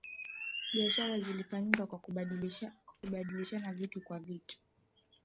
biashara zilifanyika kwa kubadilishana vitu kwa vitu